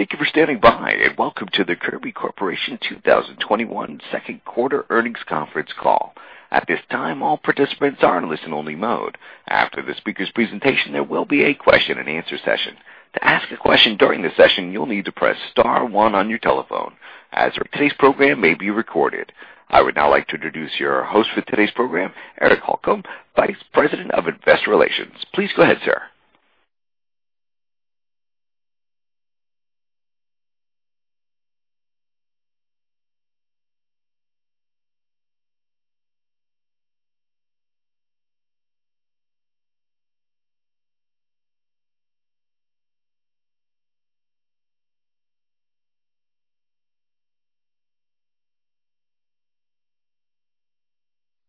Thank you for standing by, and welcome to the Kirby Corporation 2021 second quarter earnings conference call. At this time all participants are in a listen-only mode. After this presentation there will be a Question-and-Answer session. To ask a question during the session you need to press star one on your telephone. As of today's program may be recorded. I would now like to introduce your host for today's program, Eric Holcomb, Vice President of Investor Relations. Please go ahead, sir.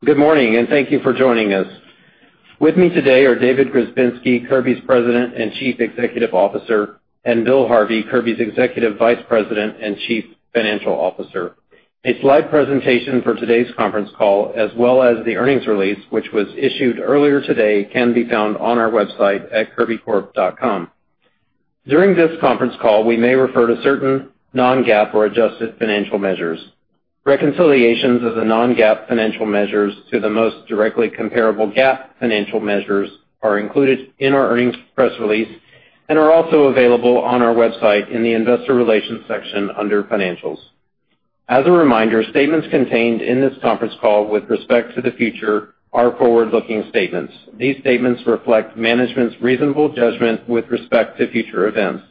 Good morning, and thank you for joining us. With me today are David Grzebinski, Kirby's President and Chief Executive Officer, and Bill Harvey, Kirby's Executive Vice President and Chief Financial Officer. A slide presentation for today's conference call, as well as the earnings release, which was issued earlier today, can be found on our website at kirbycorp.com. During this conference call, we may refer to certain non-GAAP or adjusted financial measures. Reconciliations of the non-GAAP financial measures to the most directly comparable GAAP financial measures are included in our earnings press release and are also available on our website in the investor relations section under financials. As a reminder, statements contained in this conference call with respect to the future are forward-looking statements. These statements reflect management's reasonable judgment with respect to future events.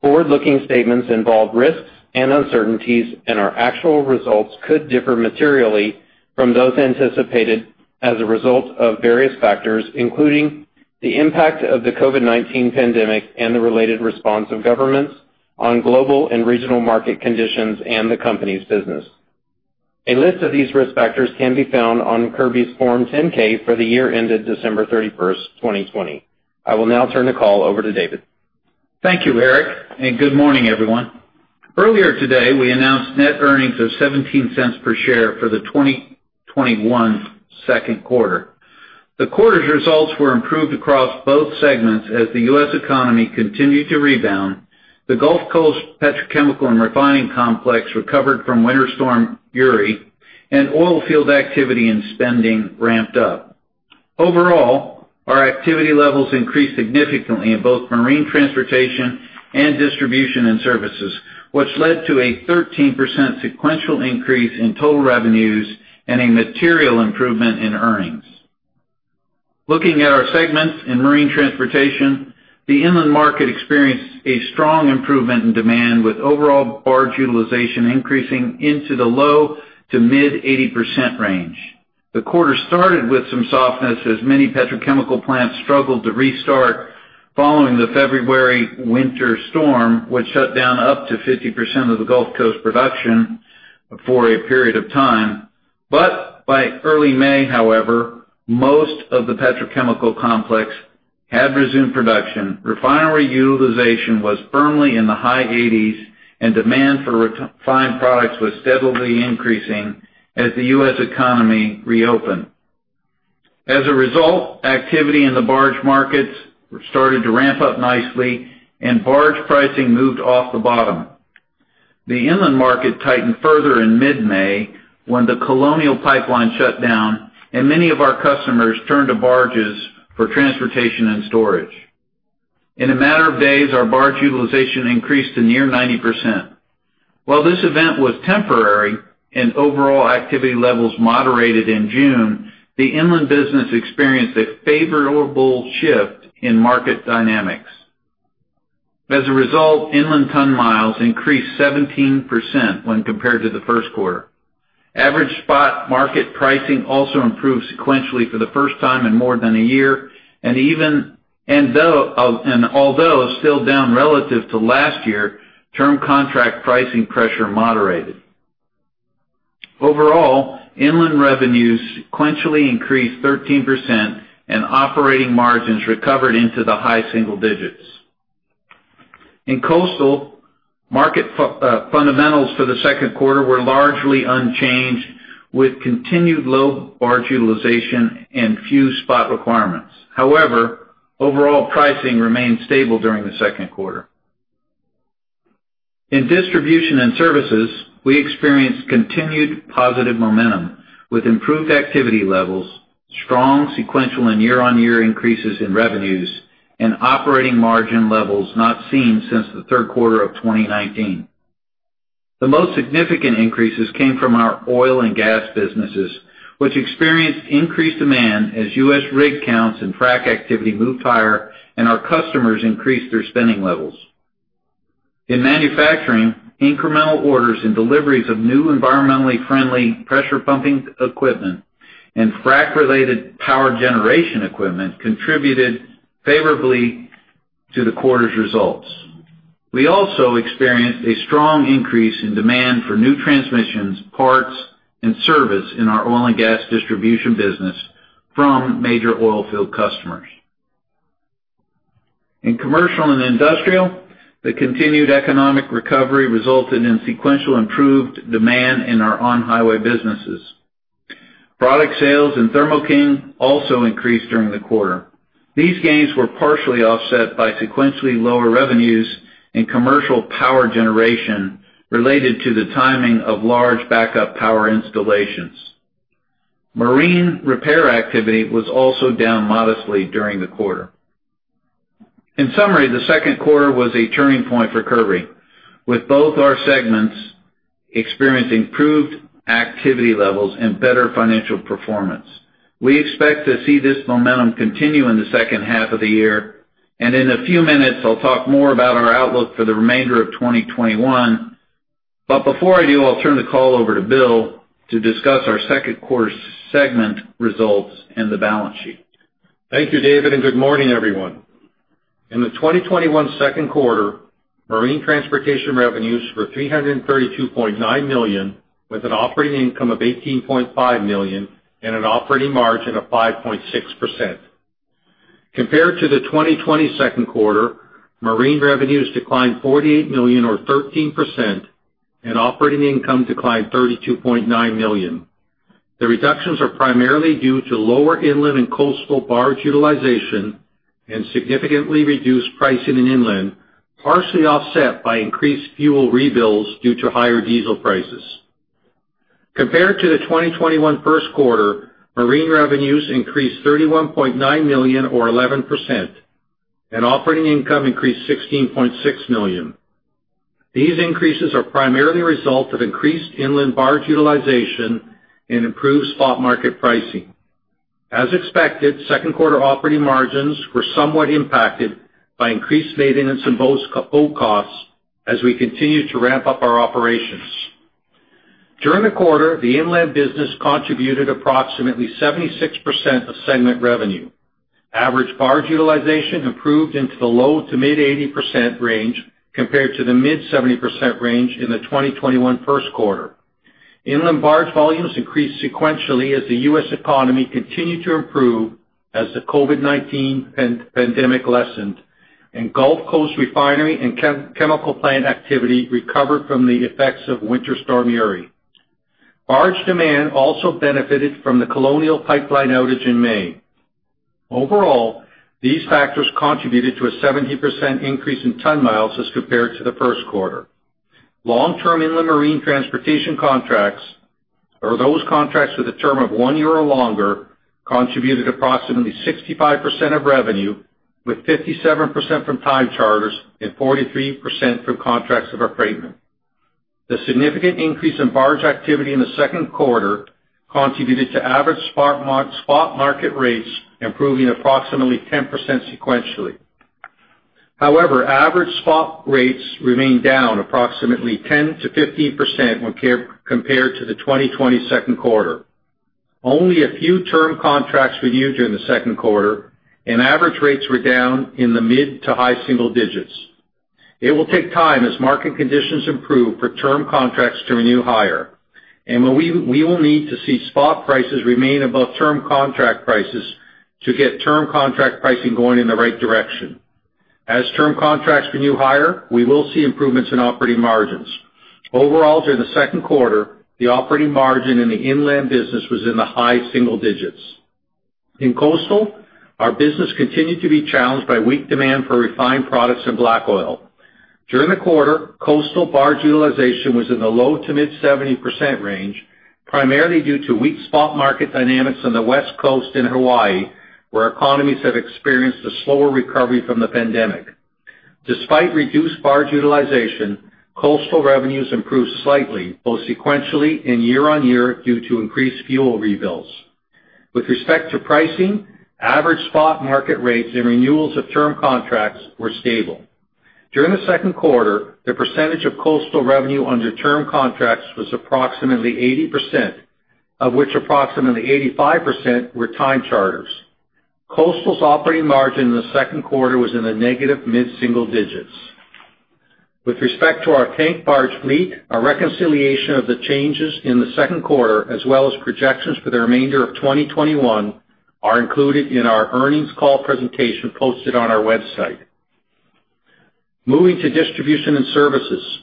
Forward-looking statements involve risks and uncertainties, and our actual results could differ materially from those anticipated as a result of various factors, including the impact of the COVID-19 pandemic and the related response of governments on global and regional market conditions and the company's business. A list of these risk factors can be found on Kirby's Form 10-K for the year ended December 31st, 2020. I will now turn the call over to David. Thank you, Eric. Good morning, everyone. Earlier today, we announced net earnings of $0.17 per share for the 2021 second quarter. The quarter's results were improved across both segments as the U.S. economy continued to rebound, the Gulf Coast petrochemical and refining complex recovered from Winter Storm Uri, and oil field activity and spending ramped up. Overall, our activity levels increased significantly in both Marine Transportation and Distribution and Services, which led to a 13% sequential increase in total revenues and a material improvement in earnings. Looking at our segments in Marine Transportation, the inland market experienced a strong improvement in demand with overall barge utilization increasing into the low to mid 80% range. The quarter started with some softness as many petrochemical plants struggled to restart following the February winter storm, which shut down up to 50% of the Gulf Coast production for a period of time. By early May, however, most of the petrochemical complex had resumed production. Refinery utilization was firmly in the high 80s, and demand for refined products was steadily increasing as the U.S. economy reopened. As a result, activity in the barge markets started to ramp up nicely, and barge pricing moved off the bottom. The inland market tightened further in mid-May when the Colonial Pipeline shut down and many of our customers turned to barges for transportation and storage. In a matter of days, our barge utilization increased to near 90%. While this event was temporary and overall activity levels moderated in June, the inland business experienced a favorable shift in market dynamics. As a result, inland ton miles increased 17% when compared to the first quarter. Average spot market pricing also improved sequentially for the first time in more than a year, and although still down relative to last year, term contract pricing pressure moderated. Overall, inland revenues sequentially increased 13%, and operating margins recovered into the high single digits. In coastal, market fundamentals for the second quarter were largely unchanged, with continued low barge utilization and few spot requirements. However, overall pricing remained stable during the second quarter. In Distribution and Services, we experienced continued positive momentum with improved activity levels, strong sequential and year-on-year increases in revenues, and operating margin levels not seen since the third quarter of 2019. The most significant increases came from our oil and gas businesses, which experienced increased demand as U.S. rig counts and frac activity moved higher and our customers increased their spending levels. In manufacturing, incremental orders and deliveries of new environmentally friendly pressure pumping equipment and frac-related power generation equipment contributed favorably to the quarter's results. We also experienced a strong increase in demand for new transmissions, parts, and service in our oil and gas distribution business from major oil field customers. In commercial and industrial, the continued economic recovery resulted in sequential improved demand in our on-highway businesses. Product sales in Thermo King also increased during the quarter. These gains were partially offset by sequentially lower revenues in commercial power generation related to the timing of large backup power installations. Marine repair activity was also down modestly during the quarter. In summary, the second quarter was a turning point for Kirby, with both our segments experiencing improved activity levels and better financial performance. We expect to see this momentum continue in the second half of the year, and in a few minutes, I'll talk more about our outlook for the remainder of 2021. Before I do, I'll turn the call over to Bill to discuss our second quarter segment results and the balance sheet. Thank you, David, and good morning, everyone. In the 2021 second quarter, Marine Transportation revenues were $332.9 million, with an operating income of $18.5 million and an operating margin of 5.6%. Compared to the 2020 second quarter, marine revenues declined $48 million, or 13%, and operating income declined $32.9 million. The reductions are primarily due to lower inland and coastal barge utilization and significantly reduced pricing in inland, partially offset by increased fuel rebills due to higher diesel prices. Compared to the 2021 first quarter, marine revenues increased $31.9 million, or 11%, and operating income increased $16.6 million. These increases are primarily a result of increased inland barge utilization and improved spot market pricing. As expected, second quarter operating margins were somewhat impacted by increased maintenance and boat costs as we continued to ramp up our operations. During the quarter, the inland business contributed approximately 76% of segment revenue. Average barge utilization improved into the low to mid 80% range, compared to the mid 70% range in the 2021 first quarter. Inland barge volumes increased sequentially as the U.S. economy continued to improve as the COVID-19 pandemic lessened and Gulf Coast refinery and chemical plant activity recovered from the effects of Winter Storm Uri. Barge demand also benefited from the Colonial Pipeline outage in May. Overall, these factors contributed to a 70% increase in ton miles as compared to the first quarter. Long-term inland marine transportation contracts, or those contracts with a term of one year or longer, contributed approximately 65% of revenue, with 57% from time charters and 43% from contracts of affreightment. The significant increase in barge activity in the second quarter contributed to average spot market rates improving approximately 10% sequentially. However, average spot rates remained down approximately 10%-15% when compared to the 2020 second quarter. Only a few term contracts renewed during the second quarter. Average rates were down in the mid-to-high single digits. It will take time as market conditions improve for term contracts to renew higher. We will need to see spot prices remain above term contract prices to get term contract pricing going in the right direction. As term contracts renew higher, we will see improvements in operating margins. Overall, during the second quarter, the operating margin in the inland business was in the high single digits. In coastal, our business continued to be challenged by weak demand for refined products and black oil. During the quarter, coastal barge utilization was in the low to mid 70% range, primarily due to weak spot market dynamics on the West Coast and Hawaii, where economies have experienced a slower recovery from the pandemic. Despite reduced barge utilization, coastal revenues improved slightly, both sequentially, and year-on-year, due to increased fuel rebuilds. With respect to pricing, average spot market rates and renewals of term contracts were stable. During the second quarter, the percentage of coastal revenue under term contracts was approximately 80%, of which approximately 85% were time charters. Coastal's operating margin in the second quarter was in the negative mid-single digits. With respect to our tank barge fleet, a reconciliation of the changes in the second quarter, as well as projections for the remainder of 2021, are included in our earnings call presentation posted on our website. Moving to Distribution and Services.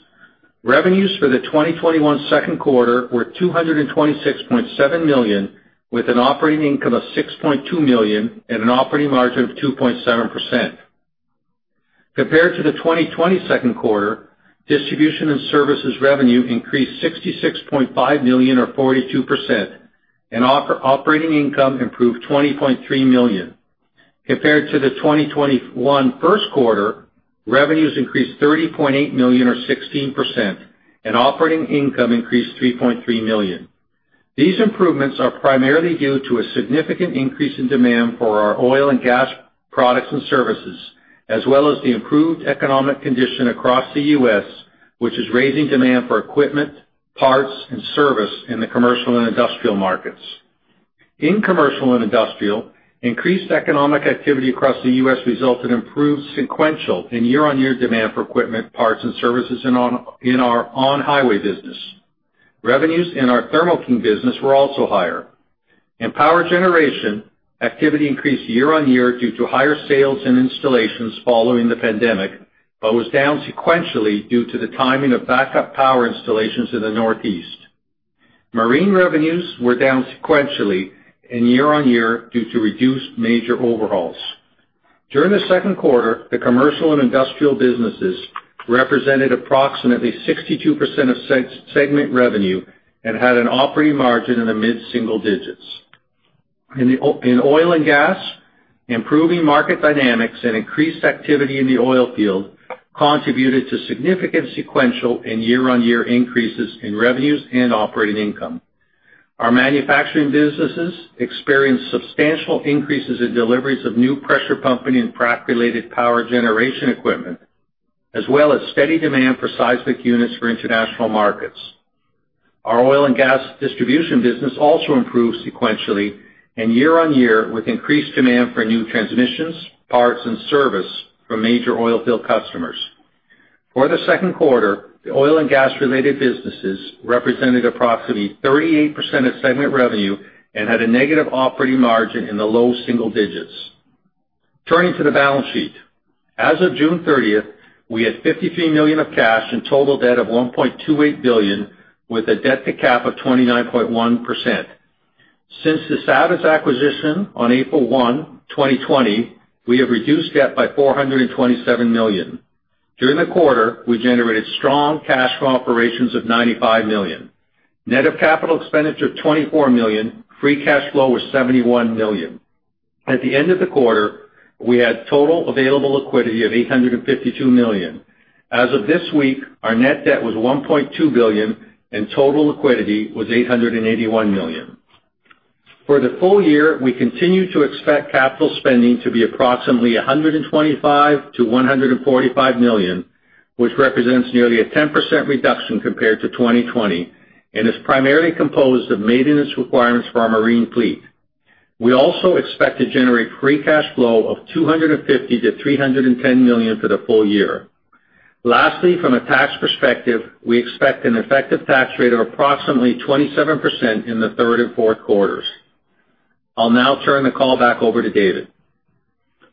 Revenues for the 2021 second quarter were $226.7 million, with an operating income of $6.2 million and an operating margin of 2.7%. Compared to the 2020 second quarter, Distribution and Services revenue increased $66.5 million, or 42%, and operating income improved $20.3 million. Compared to the 2021 first quarter, revenues increased $30.8 million, or 16%, and operating income increased $3.3 million. These improvements are primarily due to a significant increase in demand for our oil and gas products and services, as well as the improved economic condition across the U.S., which is raising demand for equipment, parts, and service in the commercial and industrial markets. In commercial and industrial, increased economic activity across the U.S. resulted in improved sequential, and year-on-year demand for equipment, parts, and services in our on-highway business. Revenues in our Thermo King business were also higher. In power generation, activity increased year-on-year due to higher sales and installations following the pandemic. Was down sequentially due to the timing of backup power installations in the Northeast. Marine revenues were down sequentially and year-on-year due to reduced major overhauls. During the second quarter, the commercial and industrial businesses represented approximately 62% of segment revenue and had an operating margin in the mid-single digits. In oil and gas, improving market dynamics and increased activity in the oil field contributed to significant sequential, and year-on-year increases in revenues and operating income. Our manufacturing businesses experienced substantial increases in deliveries of new pressure pumping and frac-related power generation equipment, as well as steady demand for seismic units for international markets. Our oil and gas distribution business also improved sequentially, and year-on-year with increased demand for new transmissions, parts, and service from major oil field customers. For the second quarter, the oil and gas-related businesses represented approximately 38% of segment revenue and had a negative operating margin in the low single digits. Turning to the balance sheet. As of June 30th, we had $53 million of cash and total debt of $1.28 billion, with a debt to cap of 29.1%. Since the Savage acquisition on April 1, 2020, we have reduced debt by $427 million. During the quarter, we generated strong cash from operations of $95 million. Net of capital expenditure of $24 million, free cash flow was $71 million. At the end of the quarter, we had total available liquidity of $852 million. As of this week, our net debt was $1.2 billion and total liquidity was $881 million. For the full year, we continue to expect capital spending to be approximately $125 million-$145 million, which represents nearly a 10% reduction compared to 2020 and is primarily composed of maintenance requirements for our marine fleet. We also expect to generate free cash flow of $250 million-$310 million for the full year. Lastly, from a tax perspective, we expect an effective tax rate of approximately 27% in the third and fourth quarters. I'll now turn the call back over to David.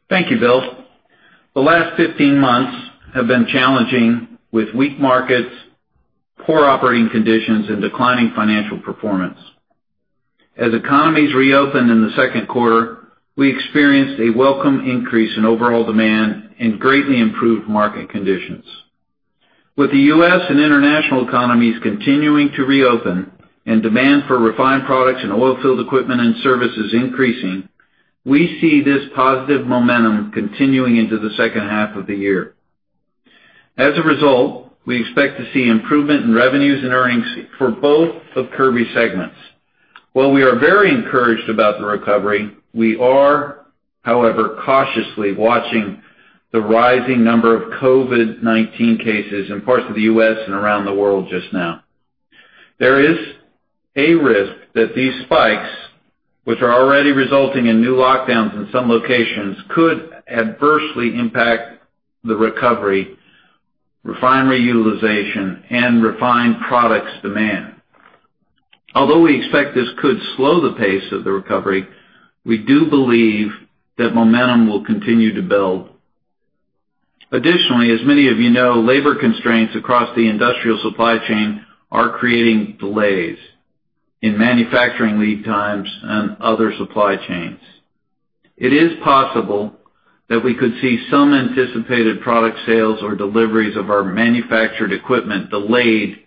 Thank you, Bill. The last 15 months have been challenging with weak markets, poor operating conditions, and declining financial performance. As economies reopened in the second quarter, we experienced a welcome increase in overall demand and greatly improved market conditions. With the U.S. and international economies continuing to reopen and demand for refined products in oil field equipment and services increasing, we see this positive momentum continuing into the second half of the year. As a result, we expect to see improvement in revenues and earnings for both of Kirby segments. While we are very encouraged about the recovery, we are, however, cautiously watching the rising number of COVID-19 cases in parts of the U.S. and around the world just now. There is a risk that these spikes, which are already resulting in new lockdowns in some locations, could adversely impact the recovery, refinery utilization, and refined products demand. Although we expect this could slow the pace of the recovery, we do believe that momentum will continue to build. Additionally, as many of you know, labor constraints across the industrial supply chain are creating delays in manufacturing lead times and other supply chains. It is possible that we could see some anticipated product sales or deliveries of our manufactured equipment delayed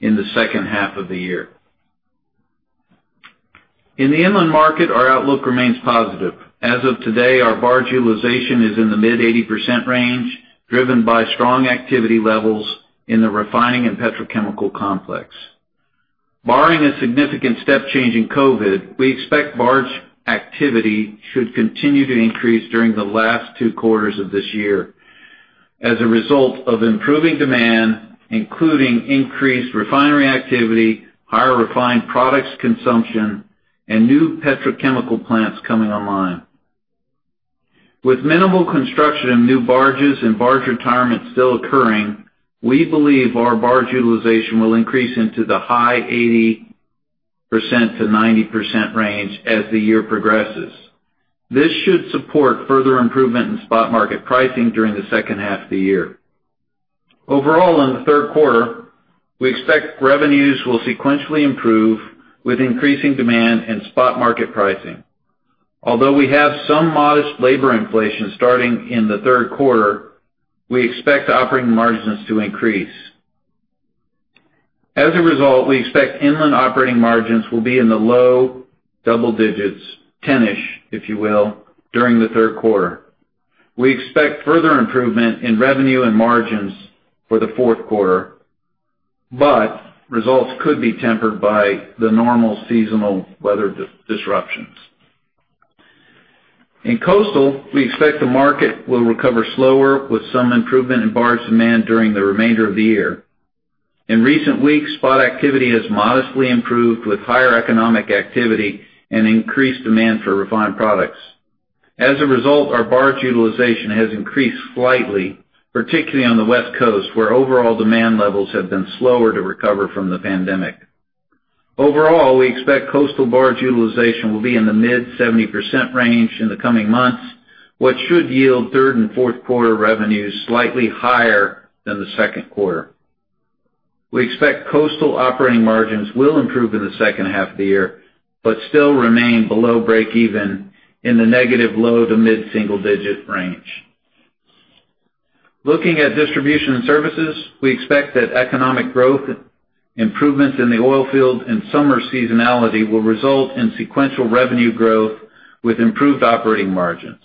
in the second half of the year. In the inland market, our outlook remains positive. As of today, our barge utilization is in the mid-80% range, driven by strong activity levels in the refining and petrochemical complex. Barring a significant step change in COVID, we expect barge activity should continue to increase during the last two quarters of this year as a result of improving demand, including increased refinery activity, higher refined products consumption, and new petrochemical plants coming online. With minimal construction of new barges and barge retirements still occurring, we believe our barge utilization will increase into the high 80%-90% range as the year progresses. This should support further improvement in spot market pricing during the second half of the year. Overall, in the third quarter, we expect revenues will sequentially improve with increasing demand and spot market pricing. Although we have some modest labor inflation starting in the third quarter, we expect operating margins to increase. As a result, we expect inland operating margins will be in the low double digits, 10-ish, if you will, during the third quarter. Results could be tempered by the normal seasonal weather disruptions. In coastal, we expect the market will recover slower with some improvement in barge demand during the remainder of the year. In recent weeks, spot activity has modestly improved with higher economic activity and increased demand for refined products. As a result, our barge utilization has increased slightly, particularly on the West Coast, where overall demand levels have been slower to recover from the pandemic. Overall, we expect coastal barge utilization will be in the mid-70% range in the coming months, which should yield third and fourth quarter revenues slightly higher than the second quarter. We expect coastal operating margins will improve in the second half of the year, but still remain below breakeven in the negative low to mid-single-digit range. Looking at Distribution and Services, we expect that economic growth, improvements in the oil field, and summer seasonality will result in sequential revenue growth with improved operating margins.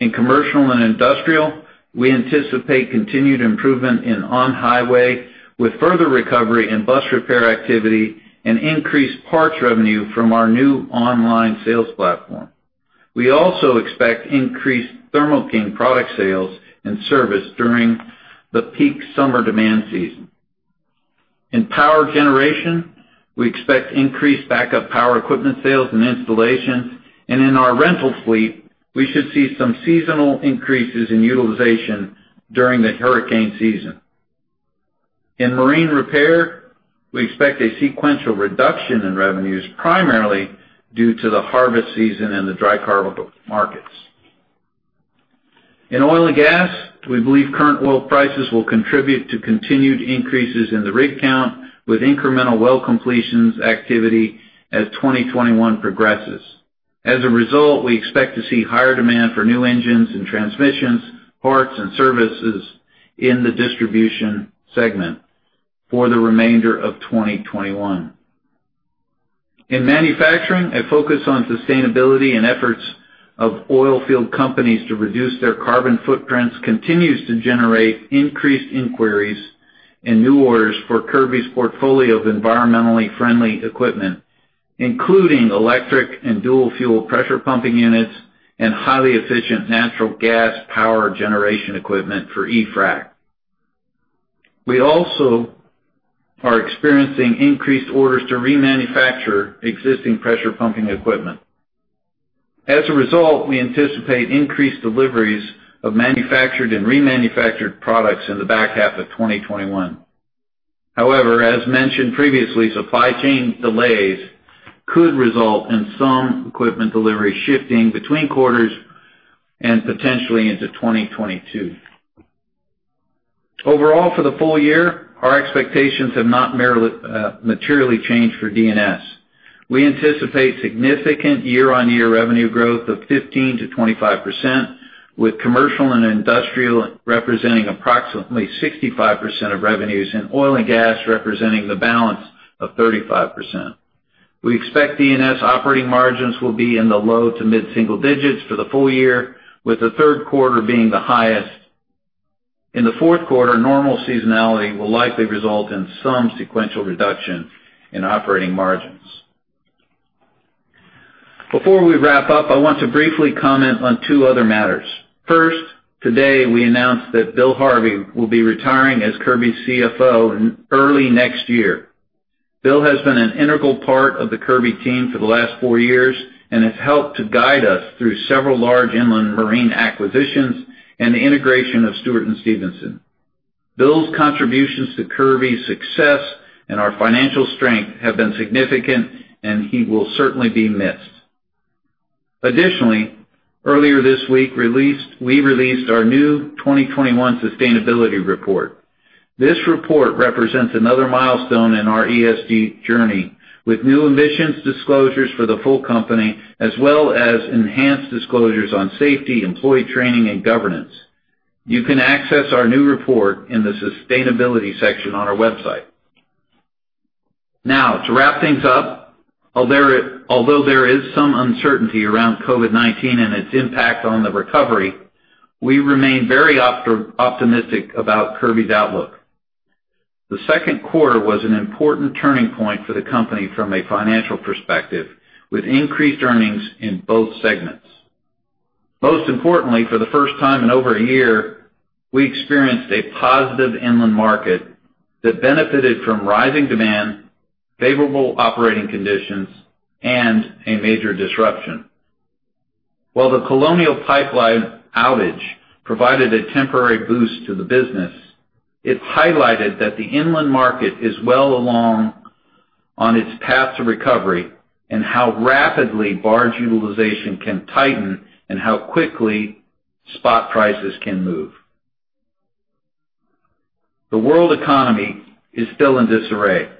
In commercial and industrial, we anticipate continued improvement in on-highway, with further recovery in bus repair activity and increased parts revenue from our new online sales platform. We also expect increased Thermo King product sales and service during the peak summer demand season. In power generation, we expect increased backup power equipment sales and installations, and in our rental fleet, we should see some seasonal increases in utilization during the hurricane season. In marine repair, we expect a sequential reduction in revenues, primarily due to the harvest season in the dry cargo markets. In oil and gas, we believe current oil prices will contribute to continued increases in the rig count, with incremental well completions activity as 2021 progresses. As a result, we expect to see higher demand for new engines and transmissions, parts, and services in the Distribution segment for the remainder of 2021. In manufacturing, a focus on sustainability and efforts of oil field companies to reduce their carbon footprints continues to generate increased inquiries and new orders for Kirby's portfolio of environmentally friendly equipment, including electric and dual-fuel pressure pumping units and highly efficient natural gas power generation equipment for e-frac. We also are experiencing increased orders to remanufacture existing pressure pumping equipment. As a result, we anticipate increased deliveries of manufactured and remanufactured products in the back half of 2021. As mentioned previously, supply chain delays could result in some equipment delivery shifting between quarters and potentially into 2022. Overall, for the full year, our expectations have not materially changed for D&S. We anticipate significant year-on-year revenue growth of 15%-25%, with commercial and industrial representing approximately 65% of revenues, and oil and gas representing the balance of 35%. We expect D&S operating margins will be in the low to mid-single digits for the full year, with the third quarter being the highest. In the fourth quarter, normal seasonality will likely result in some sequential reduction in operating margins. Before we wrap up, I want to briefly comment on two other matters. First, today, we announced that Bill Harvey will be retiring as Kirby's CFO early next year. Bill has been an integral part of the Kirby team for the last four years and has helped to guide us through several large inland marine acquisitions and the integration of Stewart & Stevenson. Bill's contributions to Kirby's success and our financial strength have been significant, and he will certainly be missed. Additionally, earlier this week, we released our new 2021 sustainability report. This report represents another milestone in our ESG journey, with new emissions disclosures for the full company, as well as enhanced disclosures on safety, employee training, and governance. You can access our new report in the Sustainability section on our website. Now, to wrap things up, although there is some uncertainty around COVID-19 and its impact on the recovery, we remain very optimistic about Kirby's outlook. The second quarter was an important turning point for the company from a financial perspective, with increased earnings in both segments. Most importantly, for the first time in over a year, we experienced a positive inland market that benefited from rising demand, favorable operating conditions, and a major disruption. While the Colonial Pipeline outage provided a temporary boost to the business, it highlighted that the inland market is well along on its path to recovery, and how rapidly barge utilization can tighten and how quickly spot prices can move. The world economy is still in disarray,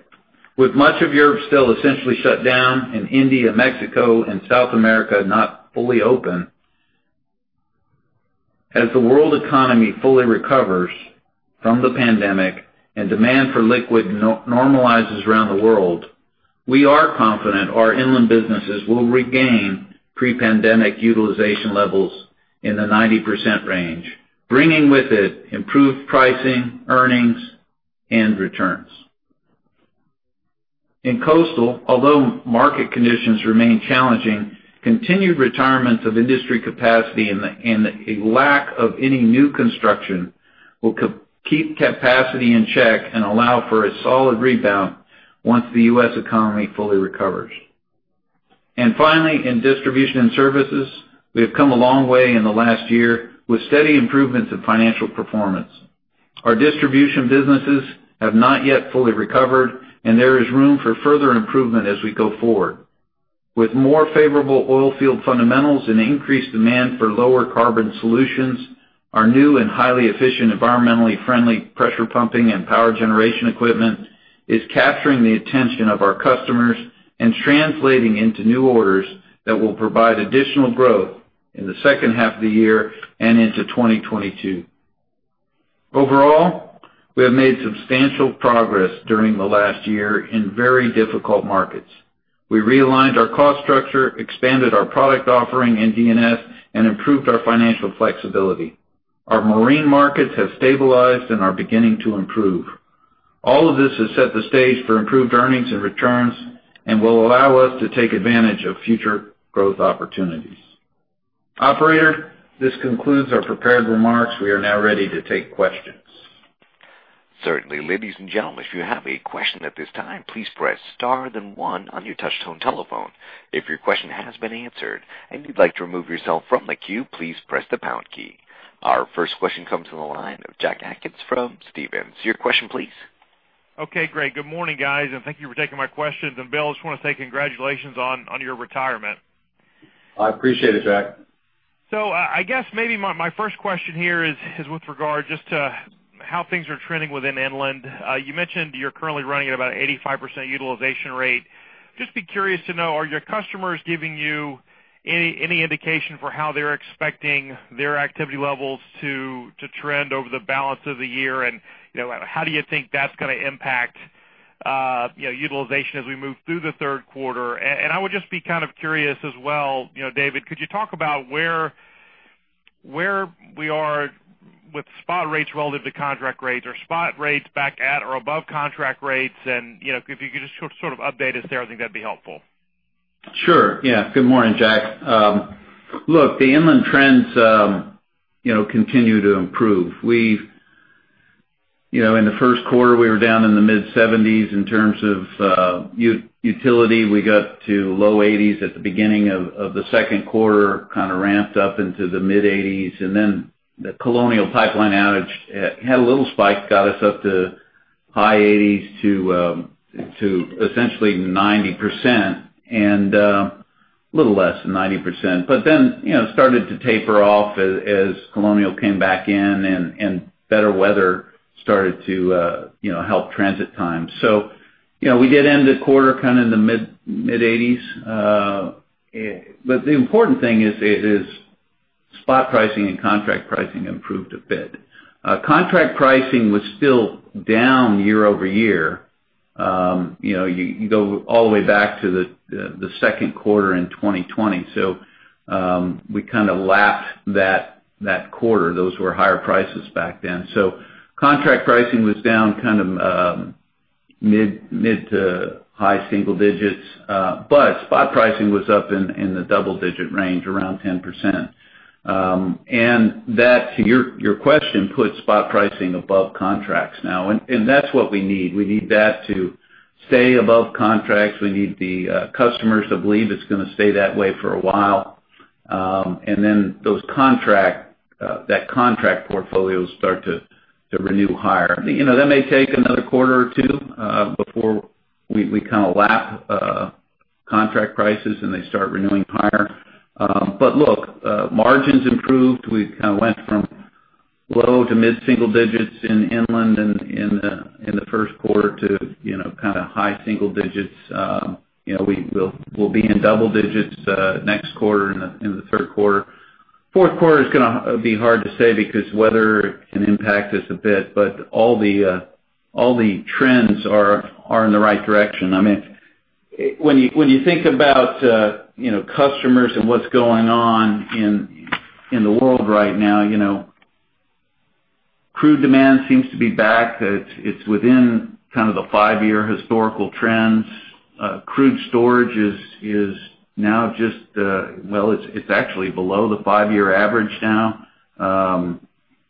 with much of Europe still essentially shut down and India, Mexico, and South America not fully open. As the world economy fully recovers from the pandemic and demand for liquid normalizes around the world, we are confident our inland businesses will regain pre-pandemic utilization levels in the 90% range, bringing with it improved pricing, earnings, and returns. In coastal, although market conditions remain challenging, continued retirements of industry capacity and a lack of any new construction will keep capacity in check and allow for a solid rebound once the U.S. economy fully recovers. Finally, in Distribution and Services, we have come a long way in the last year with steady improvements in financial performance. Our distribution businesses have not yet fully recovered, and there is room for further improvement as we go forward. With more favorable oil field fundamentals and increased demand for lower carbon solutions, our new and highly efficient environmentally friendly pressure pumping and power generation equipment is capturing the attention of our customers and translating into new orders that will provide additional growth in the second half of the year and into 2022. Overall, we have made substantial progress during the last year in very difficult markets. We realigned our cost structure, expanded our product offering in D&S, and improved our financial flexibility. Our marine markets have stabilized and are beginning to improve. All of this has set the stage for improved earnings and returns and will allow us to take advantage of future growth opportunities. Operator, this concludes our prepared remarks. We are now ready to take questions. Certainly. Ladies and gentlemen, if you have any questions at this time please press star then one on your touchtone telephone. If your question has been answered and you would like to remove yourself from the queue, please press the pound key. Our first question comes from the line of Jack Atkins from Stephens. Your question please. Okay, great. Good morning, guys, and thank you for taking my questions. Bill, I just want to say congratulations on your retirement. I appreciate it, Jack. I guess maybe my first question here is with regard just to how things are trending within Inland. You mentioned you're currently running at about 85% utilization rate. Just be curious to know, are your customers giving you any indication for how they're expecting their activity levels to trend over the balance of the year? How do you think that's going to impact utilization as we move through the third quarter? I would just be kind of curious as well, David, could you talk about where we are with spot rates relative to contract rates? Are spot rates back at or above contract rates? If you could just sort of update us there, I think that'd be helpful. Sure. Yeah. Good morning, Jack. Look, the inland trends continue to improve. In the first quarter, we were down in the mid-70s in terms of utility. We got to low 80s at the beginning of the second quarter, kind of ramped up into the mid-80s. Then the Colonial Pipeline outage had a little spike, got us up to high 80s to essentially 90%, a little less than 90%. Then started to taper off as Colonial came back in and better weather started to help transit times. We did end the quarter kind of in the mid-80s. The important thing is spot pricing, and contract pricing improved a bit. Contract pricing was still down year-over-year. You go all the way back to the second quarter in 2020. We kind of lapped that quarter. Those were higher prices back then. Contract pricing was down kind of mid-to-high single digits. Spot pricing was up in the double-digit range, around 10%. That, to your question, put spot pricing above contracts now, and that's what we need. We need that to stay above contracts. We need the customers to believe it's going to stay that way for a while. That contract portfolio will start to renew higher. That may take another quarter or two before we kind of lap contract prices, and they start renewing higher. Look, margins improved. We kind of went from low-to-mid single digits in inland in the first quarter to kind of high single digits. We'll be in double digits next quarter, in the third quarter. Fourth quarter is going to be hard to say because weather can impact us a bit. All the trends are in the right direction. When you think about customers and what's going on in the world right now, crude demand seems to be back. It's within kind of the five-year historical trends. Crude storage is now, it's actually below the five-year average now.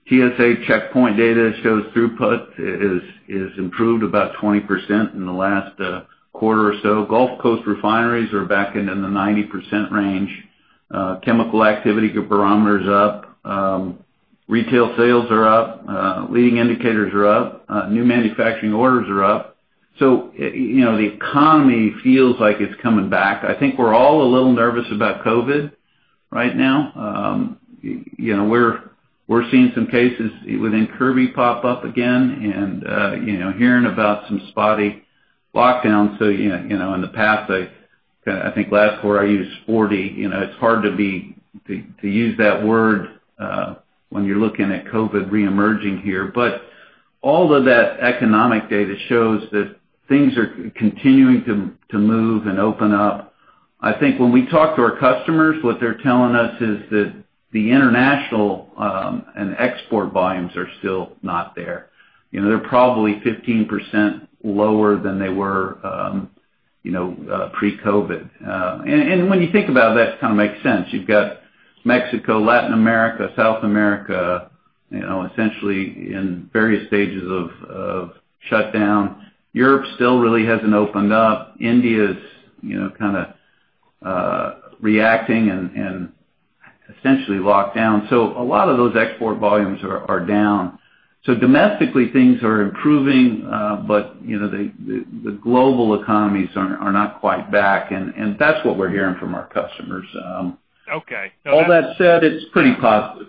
TSA checkpoint data shows throughput is improved about 20% in the last quarter or so. Gulf Coast refineries are back into the 90% range. Chemical Activity Barometer is up. Retail sales are up. Leading indicators are up. New manufacturing orders are up. The economy feels like it's coming back. I think we're all a little nervous about COVID right now. We're seeing some cases within Kirby pop up again and hearing about some spotty lockdowns. In the past, I think last quarter I used sporty. It's hard to use that word when you're looking at COVID reemerging here. All of that economic data shows that things are continuing to move and open up. I think when we talk to our customers, what they're telling us is that the international and export volumes are still not there. They're probably 15% lower than they were pre-COVID. When you think about it, that kind of makes sense. You've got Mexico, Latin America, South America, essentially in various stages of shutdown. Europe still really hasn't opened up. India's kind of reacting and essentially locked down. A lot of those export volumes are down. Domestically, things are improving, but the global economies are not quite back, and that's what we're hearing from our customers. Okay. All that said, it's pretty positive.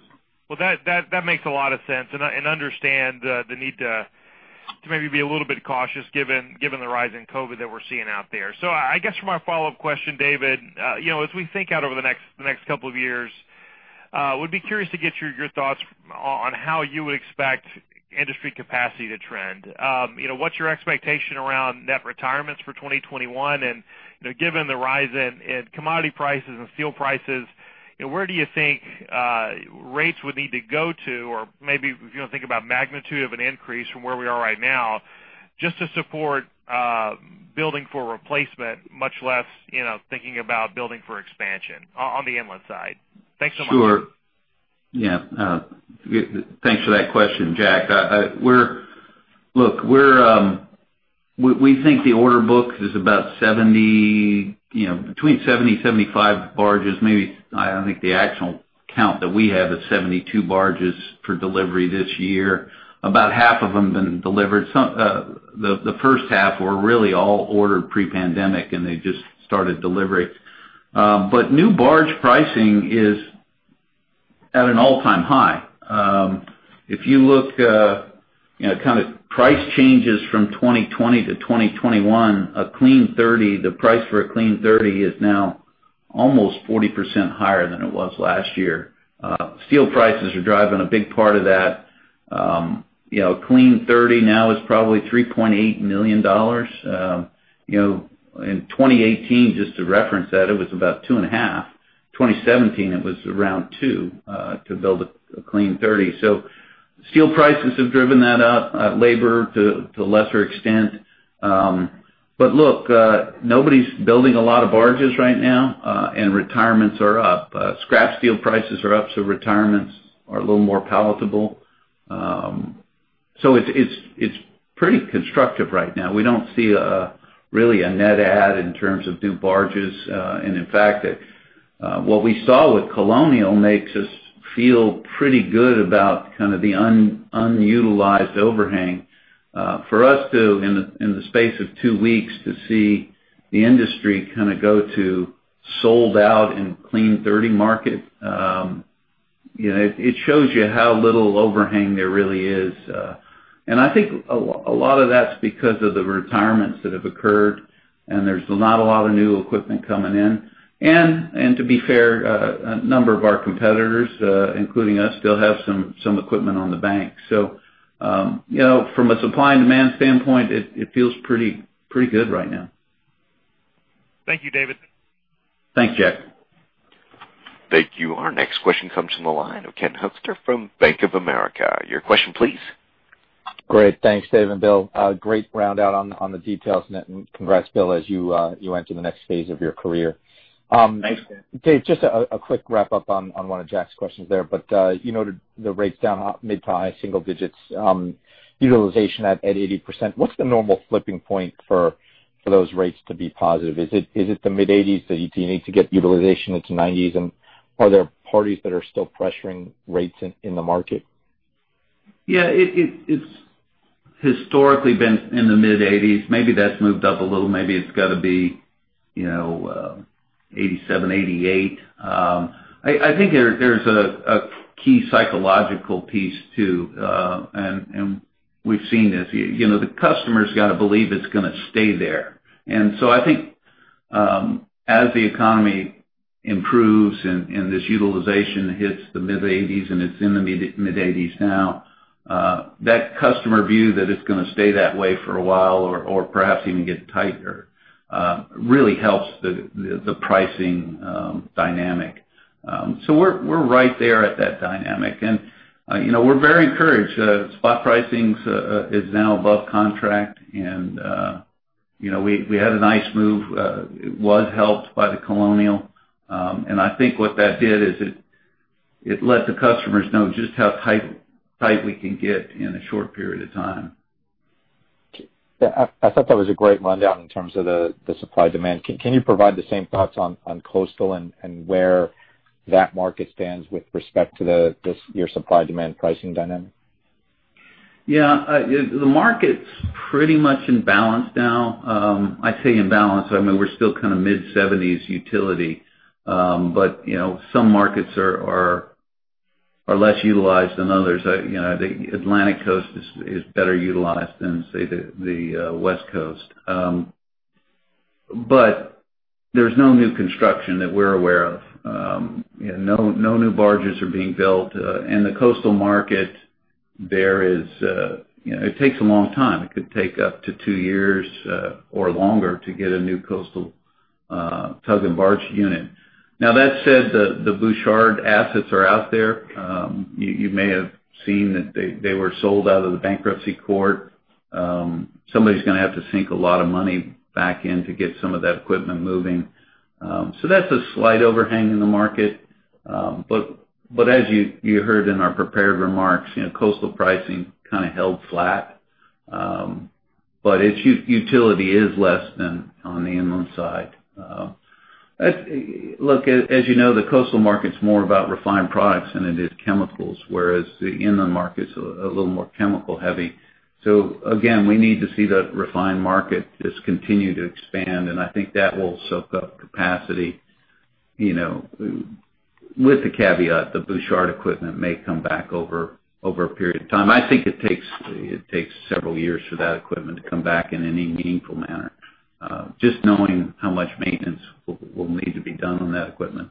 That makes a lot of sense, and I understand the need to maybe be a little bit cautious given the rise in COVID-19 that we're seeing out there. I guess for my follow-up question, David, as we think out over the next couple of years, would be curious to get your thoughts on how you would expect industry capacity to trend. What's your expectation around net retirements for 2021, and given the rise in commodity prices and steel prices, where do you think rates would need to go to, or maybe if you think about magnitude of an increase from where we are right now, just to support building for replacement, much less thinking about building for expansion on the inland side? Thanks so much. Sure. Yeah. Thanks for that question, Jack. Look, we think the order book is between 70-75 barges. Maybe, I think the actual count that we have is 72 barges for delivery this year. About half of them have been delivered. The first half were really all ordered pre-pandemic, and they just started delivery. New barge pricing is at an all-time high. If you look kind of price changes from 2020 to 2021, a clean 30, the price for a clean 30 is now almost 40% higher than it was last year. Steel prices are driving a big part of that. A clean 30 now is probably $3.8 million. In 2018, just to reference that, it was about two and a half. 2017, it was around two to build a clean 30. Steel prices have driven that up, labor to lesser extent. Look, nobody's building a lot of barges right now, and retirements are up. Scrap steel prices are up, so retirements are a little more palatable. It's pretty constructive right now. We don't see really a net add in terms of new barges. In fact, what we saw with Colonial makes us feel pretty good about kind of the unutilized overhang. For us too, in the space of two weeks to see the industry kind of go to sold out in a clean 30 market, it shows you how little overhang there really is. I think a lot of that's because of the retirements that have occurred, and there's not a lot of new equipment coming in. To be fair, a number of our competitors including us, still have some equipment on the bank. From a supply and demand standpoint, it feels pretty good right now. Thank you, David. Thanks, Jack. Thank you. Our next question comes from the line of Ken Hoexter from Bank of America. Your question please. Great. Thanks, David and Bill. A great round out on the details, and congrats, Bill, as you went to the next phase of your career. Thanks, Ken. Dave, just a quick wrap-up on one of Jack's questions there. You noted the rates down mid to high single digits, utilization at 80%. What's the normal flipping point for those rates to be positive? Is it the mid-80s? Do you need to get utilization into 90s? Are there parties that are still pressuring rates in the market? Yeah. It's historically been in the mid-80s. Maybe that's moved up a little. Maybe it's got to be 87%, 88%. I think there's a key psychological piece too, and we've seen this. The customer's got to believe it's going to stay there. I think as the economy improves and this utilization hits the mid-80s, and it's in the mid-80s now, that customer view that it's going to stay that way for a while or perhaps even get tighter really helps the pricing dynamic. We're right there at that dynamic, and we're very encouraged. Spot pricing is now above contract, and we had a nice move. It was helped by the Colonial. I think what that did is it let the customers know just how tight we can get in a short period of time. Yeah. I thought that was a great rundown in terms of the supply-demand. Can you provide the same thoughts on coastal and where that market stands with respect to your supply-demand pricing dynamic? Yeah. The market's pretty much in balance now. I say in balance, I mean, we're still kind of mid-70s utility. Some markets are less utilized than others. The Atlantic Coast is better utilized than, say, the West Coast. There's no new construction that we're aware of. No new barges are being built. The coastal market, it takes a long time. It could take up to two years or longer to get a new coastal tug and barge unit. Now, that said, the Bouchard assets are out there. You may have seen that they were sold out of the bankruptcy court. Somebody's going to have to sink a lot of money back in to get some of that equipment moving. That's a slight overhang in the market. As you heard in our prepared remarks, coastal pricing kind of held flat. Its utility is less than on the inland side. Look, as you know, the coastal market's more about refined products than it is chemicals, whereas the inland market's a little more chemical heavy. Again, we need to see the refined market just continue to expand, and I think that will soak up capacity, with the caveat that Bouchard equipment may come back over a period of time. I think it takes several years for that equipment to come back in any meaningful manner. Just knowing how much maintenance will need to be done on that equipment.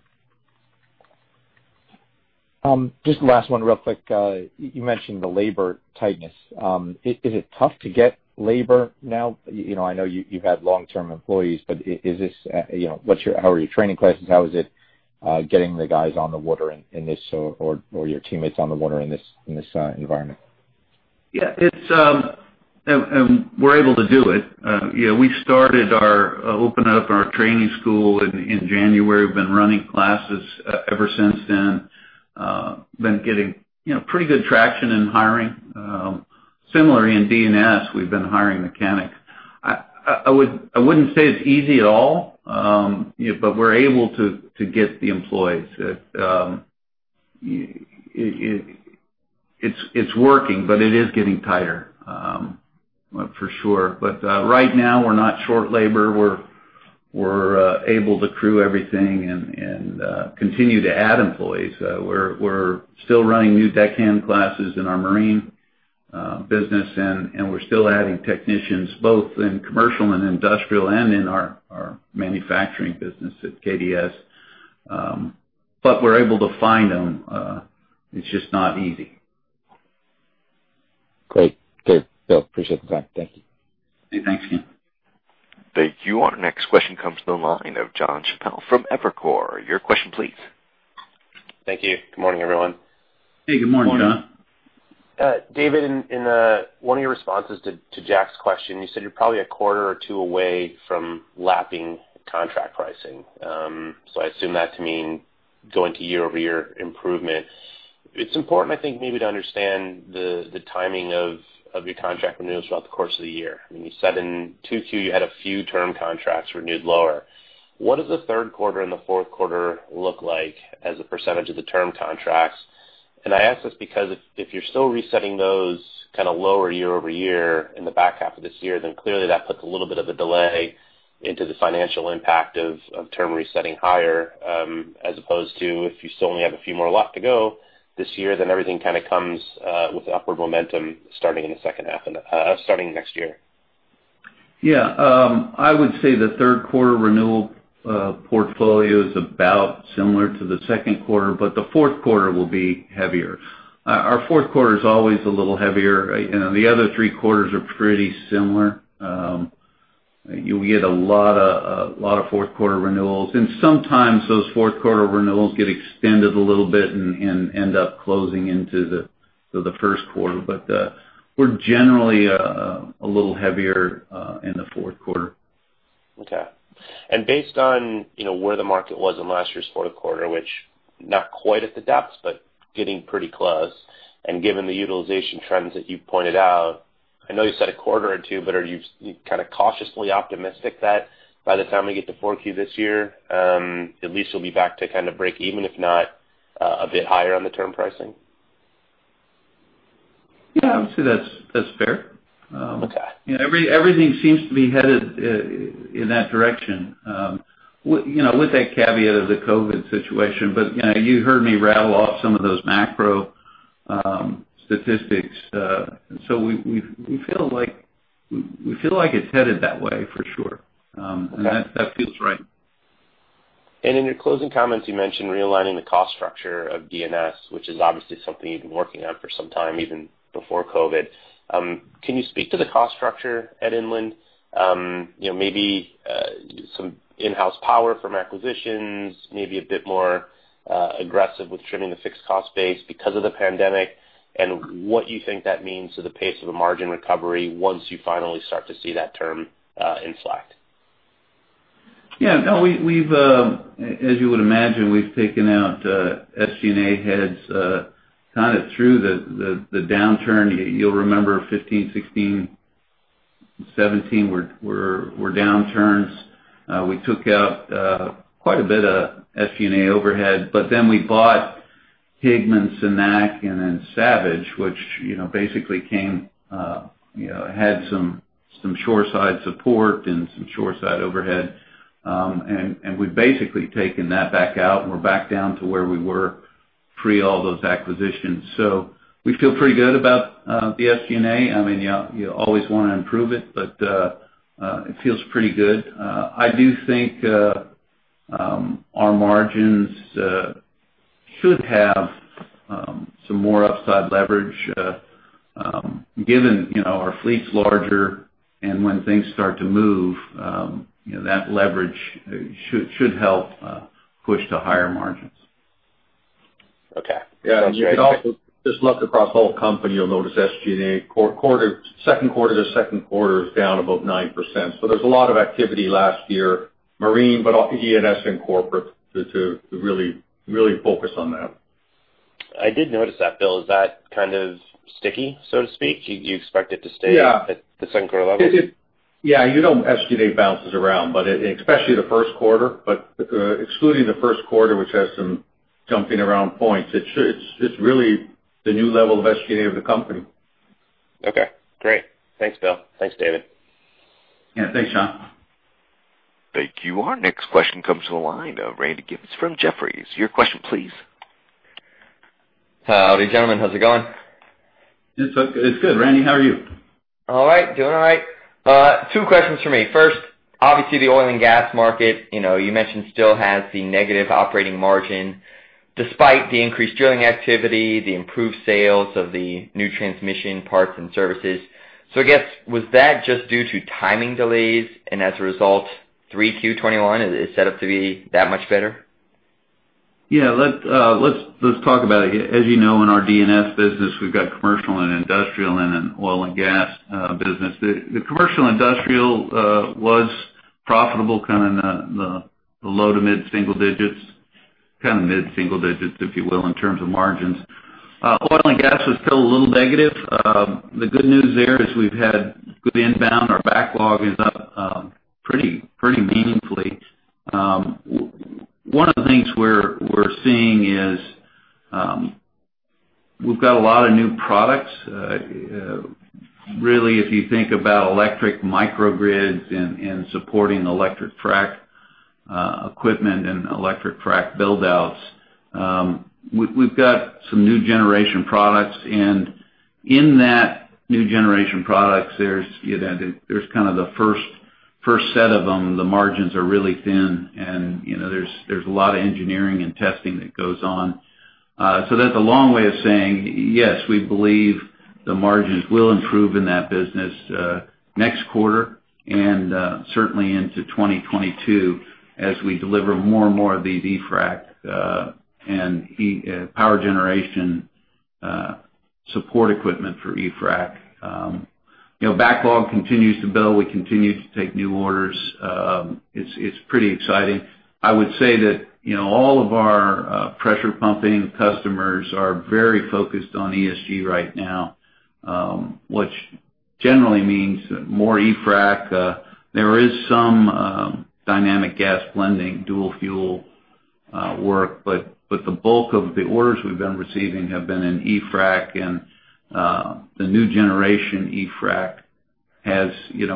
Just last one real quick. You mentioned the labor tightness. Is it tough to get labor now? I know you've had long-term employees, but how are your training classes? How is it getting the guys on the water or your teammates on the water in this environment? Yeah. We're able to do it. We started opening up our training school in January. We've been running classes ever since then. We've been getting pretty good traction in hiring. Similar in D&S, we've been hiring mechanics. I wouldn't say it's easy at all. We're able to get the employees. It's working, but it is getting tighter, for sure. Right now, we're not short labor. We're able to crew everything and continue to add employees. We're still running new deckhand classes in our marine business, and we're still adding technicians both in commercial and industrial and in our manufacturing business at KDS. We're able to find them. It's just not easy. Great. Good. Bill, appreciate the time. Thank you. Hey, thanks again. Thank you. Our next question comes from the line of John Chappell from Evercore. Your question, please. Thank you. Good morning, everyone. Hey, good morning, John. Morning. David, in one of your responses to Jack's question, you said you're probably a quarter or two away from lapping contract pricing. I assume that to mean going to year-over-year improvement. It's important, I think, maybe to understand the timing of your contract renewals throughout the course of the year. When you said in 2Q, you had a few term contracts renewed lower. What does the third quarter and the fourth quarter look like as a percentage of the term contracts? I ask this because if you're still resetting those kind of lower year-over-year in the back half of this year, then clearly that puts a little bit of a delay into the financial impact of term resetting higher, as opposed to if you still only have a few more left to go this year, then everything kind of comes with upward momentum starting next year. Yeah. I would say the third quarter renewal portfolio is about similar to the second quarter, but the fourth quarter will be heavier. Our fourth quarter is always a little heavier. The other three quarters are pretty similar. You'll get a lot of fourth quarter renewals, and sometimes those fourth quarter renewals get extended a little bit and end up closing into the first quarter. We're generally a little heavier in the fourth quarter. Okay. Based on where the market was in last year's fourth quarter, which not quite at the depths, but getting pretty close, given the utilization trends that you pointed out, I know you said a quarter or two, but are you kind of cautiously optimistic that by the time we get to 4Q this year, at least you'll be back to kind of break even, if not a bit higher on the term pricing? I would say that's fair. Okay. Everything seems to be headed in that direction. With that caveat of the COVID situation. You heard me rattle off some of those macro statistics. We feel like it's headed that way for sure. Okay. That feels right. In your closing comments, you mentioned realigning the cost structure of D&S, which is obviously something you've been working on for some time, even before COVID-19. Can you speak to the cost structure at Inland? Maybe some in-house power from acquisitions, maybe a bit more aggressive with trimming the fixed cost base because of the pandemic, and what you think that means to the pace of a margin recovery once you finally start to see that term in slack. Yeah. As you would imagine, we've taken out SG&A heads kind of through the downturn. You'll remember 2015, 2016, 2017 were downturns. We took out quite a bit of SG&A overhead, we bought Pigments and Savage, which basically had some shoreside support and some shoreside overhead. We've basically taken that back out, and we're back down to where we were pre all those acquisitions. We feel pretty good about the SG&A. You always want to improve it feels pretty good. I do think our margins should have some more upside leverage given our fleet's larger, and when things start to move, that leverage should help push to higher margins. Okay. Yeah. You can also just look across the whole company, you'll notice SG&A second quarter to second quarter is down about 9%. There was a lot of activity last year. Marine, D&S and corporate to really focus on that. I did notice that, Bill. Is that kind of sticky, so to speak? Do you expect it to stay- Yeah. At the second quarter level? Yeah, you know SG&A bounces around, especially the first quarter. Excluding the first quarter, which has some jumping around points, it's really the new level of SG&A of the company. Okay, great. Thanks, Bill. Thanks, David. Yeah, thanks, John. Thank you. Our next question comes to the line of Randy Giveans from Jefferies. Your question please. Howdy, gentlemen. How's it going? It's good, Randy. How are you? All right. Doing all right. Two questions from me. Obviously, the oil and gas market, you mentioned still has the negative operating margin despite the increased drilling activity, the improved sales of the new transmission parts and services. I guess, was that just due to timing delays and as a result 3Q 2021 is set up to be that much better? Yeah, let's talk about it. As you know, in our D&S business, we've got commercial and industrial and an oil and gas business. The commercial industrial was profitable, kind of in the low to mid-single digits. Kind of mid-single digits, if you will, in terms of margins. Oil and gas was still a little negative. The good news there is we've had good inbound. Our backlog is up pretty meaningfully. One of the things we're seeing is, we've got a lot of new products. Really if you think about electric microgrids and supporting electric frac equipment and electric frac build-outs. We've got some new generation products and in that new generation products, there's kind of the first set of them. The margins are really thin and there's a lot of engineering and testing that goes on. That's a long way of saying, yes, we believe the margins will improve in that business next quarter and certainly into 2022 as we deliver more and more of these e-frac and power generation support equipment for e-frac. Backlog continues to build. We continue to take new orders. It's pretty exciting. I would say that all of our pressure pumping customers are very focused on ESG right now. Which generally means more e-frac. There is some dynamic gas blending dual fuel work, but the bulk of the orders we've been receiving have been in e-frac and the new generation e-frac has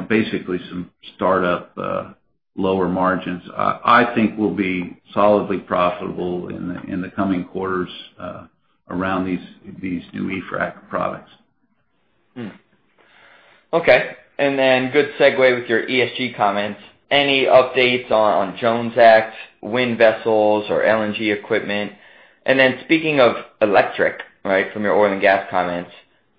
basically some startup lower margins. I think we'll be solidly profitable in the coming quarters around these new e-frac products. Okay. Good segue with your ESG comments. Any updates on Jones Act, wind vessels or LNG equipment? Speaking of electric from your oil and gas comments,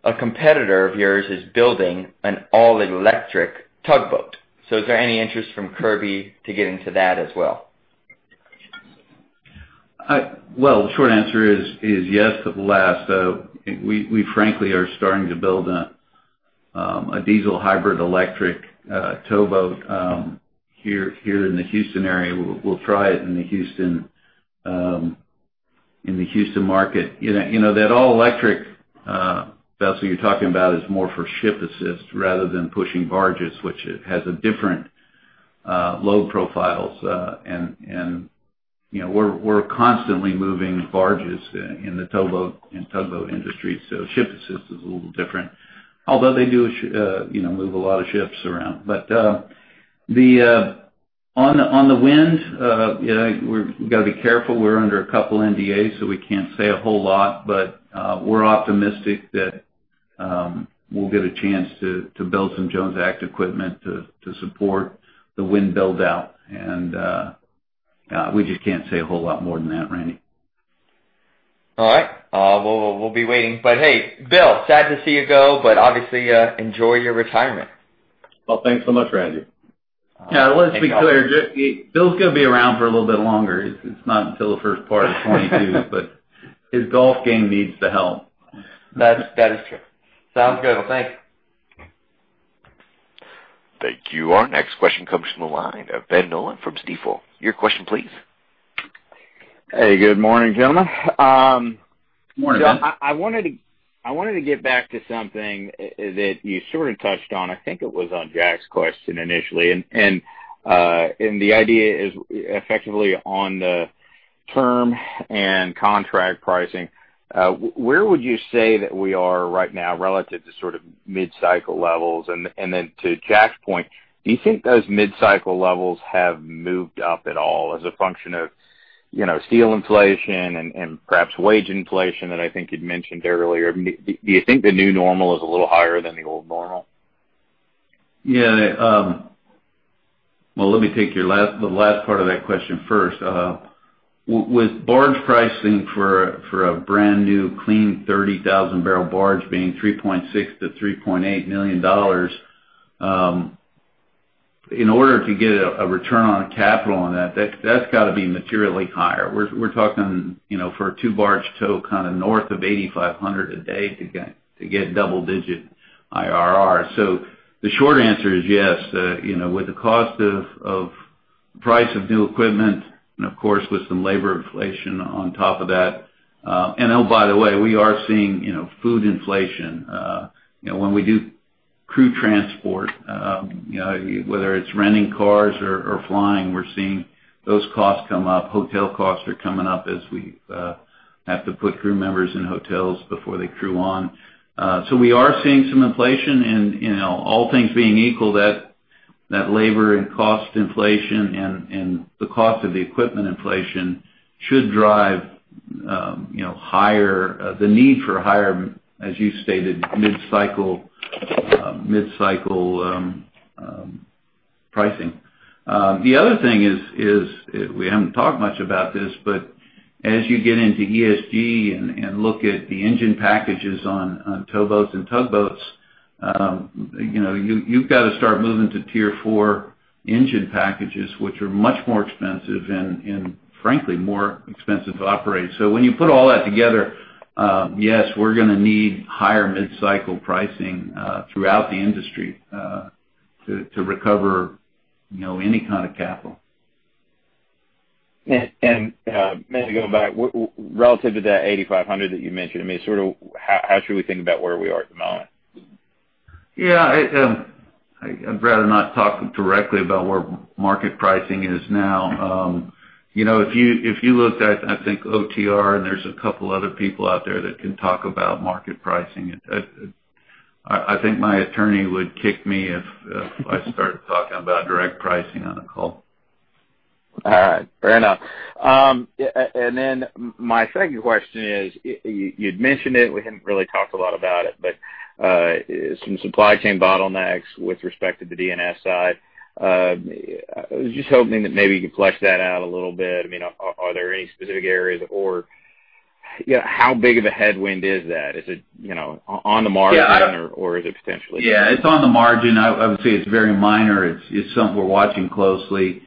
a competitor of yours is building an all-electric tugboat. Is there any interest from Kirby to get into that as well? Well, the short answer is yes to the last. We frankly are starting to build a diesel hybrid electric towboat here in the Houston area. We'll try it in the Houston market. That all-electric vessel you're talking about is more for ship assist rather than pushing barges, which has a different load profiles. We're constantly moving barges in the towboat industry, so ship assist is a little different, although they do move a lot of ships around. On the wind, we've got to be careful. We're under a couple NDAs, so we can't say a whole lot, but we're optimistic that we'll get a chance to build some Jones Act equipment to support the wind build-out. We just can't say a whole lot more than that, Randy. All right. Well, we'll be waiting. Hey, Bill, sad to see you go, but obviously, enjoy your retirement. Well, thanks so much, Randy. Yeah. Let's be clear. Bill's going to be around for a little bit longer. It's not until the first part of 2022, but his golf game needs the help. That is true. Sounds good. Well, thanks. Thank you. Our next question comes from the line of Ben Nolan from Stifel. Your question please. Hey, good morning, gentlemen. Morning, Ben. I wanted to get back to something that you sort of touched on. I think it was on Jack's question initially. The idea is effectively on the term and contract pricing. Where would you say that we are right now relative to sort of mid-cycle levels? Then to Jack's point, do you think those mid-cycle levels have moved up at all as a function of steel inflation and perhaps wage inflation that I think you'd mentioned earlier? Do you think the new normal is a little higher than the old normal? Yeah. Well, let me take the last part of that question first. With barge pricing for a brand new clean 30,000 barrel barge being $3.6 million-$3.8 million. In order to get a return on capital on that's got to be materially higher. We're talking for a two-barge tow kind of north of 8,500 a day to get double-digit IRR. The short answer is yes. With the cost of price of new equipment and of course, with some labor inflation on top of that. Oh, by the way, we are seeing food inflation. When we do crew transport, whether it's renting cars or flying, we're seeing those costs come up. Hotel costs are coming up as we have to put crew members in hotels before they crew on. We are seeing some inflation and all things being equal, that labor and cost inflation and the cost of the equipment inflation should drive the need for higher, as you stated, mid-cycle pricing. The other thing is, we haven't talked much about this, but as you get into ESG and look at the engine packages on towboats and tugboats, you've got to start moving to Tier 4 engine packages, which are much more expensive, and frankly, more expensive to operate. When you put all that together, yes, we're going to need higher mid-cycle pricing throughout the industry, to recover any kind of capital. Maybe going back, relative to that 8,500 that you mentioned, I mean, sort of how should we think about where we are at the moment? Yeah. I'd rather not talk directly about where market pricing is now. If you looked at, I think, OTR, and there's a couple other people out there that can talk about market pricing. I think my attorney would kick me if I started talking about direct pricing on a call. All right. Fair enough. My second question is, you'd mentioned it, we haven't really talked a lot about it, but some supply chain bottlenecks with respect to the D&S side. I was just hoping that maybe you could flesh that out a little bit. I mean, are there any specific areas or how big of a headwind is that? Is it on the margin or is it potentially? Yeah, it is on the margin. I would say it is very minor. It is something we are watching closely.